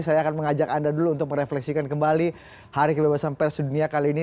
saya akan mengajak anda dulu untuk merefleksikan kembali hari kebebasan pers dunia kali ini